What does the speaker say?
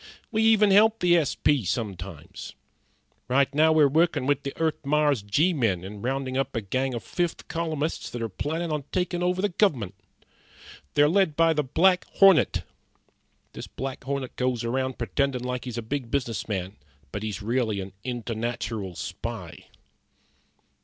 We even help the S.P. sometimes. Right now we're workin' with the Earth Mars G men in roundin' up a gang of fifth columnists that are plannin' on takin' over the gov'ment. They're led by the Black Hornet. This Black Hornet goes around pretendin' like he's a big business man, but he's really a internatural spy."